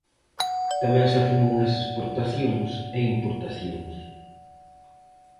Tamén se afunden as exportacións e importacións.